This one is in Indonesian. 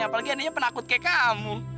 apalagi adeknya penakut kaya kamu